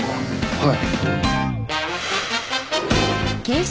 はい。